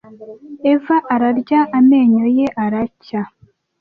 eva ararya amenyo ye aracya